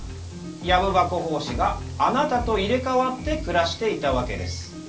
「藪箱法師」があなたと入れ代わって暮らしていたわけです。